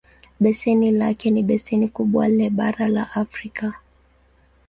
Beseni lake ni beseni kubwa le bara la Afrika.